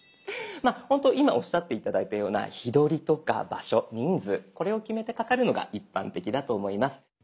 ほんと今おっしゃって頂いたような日取りとか場所人数これを決めてかかるのが一般的だと思います。